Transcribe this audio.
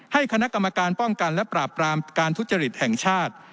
ให้คณะกรรมการปกปกทแห่งชาติ